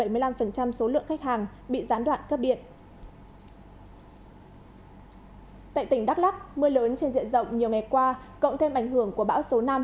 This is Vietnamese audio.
tại tỉnh đắk lắc mưa lớn trên diện rộng nhiều ngày qua cộng thêm ảnh hưởng của bão số năm